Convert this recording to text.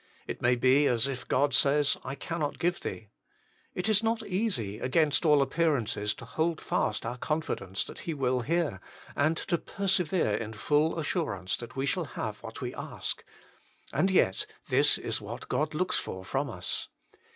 It may be as if God says, " I cannot give thee." It is not easy, against all appearances, to hold fast our confidence that He will hear, and to persevere in full assurance that we shall have what we ask. And yet this is what God looks for from us.